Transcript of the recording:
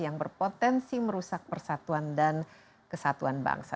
yang berpotensi merusak persatuan dan kesatuan bangsa